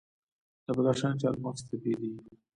د بدخشان چهارمغز طبیعي دي.